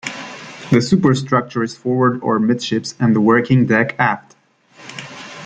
The superstructure is forward or midships and the working deck aft.